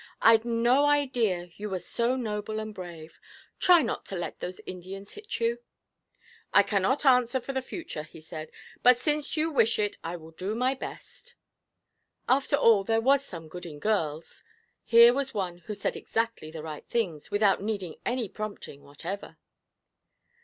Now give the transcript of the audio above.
I'd no idea you were so noble and brave. Try not to let those Indians hit you.' 'I cannot answer for the future,' he said; 'but since you wish it I will do my best.' After all there was some good in girls. Here was one who said exactly the right things, without needing any prompting whatever.